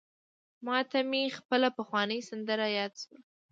ماته مي خپله پخوانۍ سندره یاده سوله: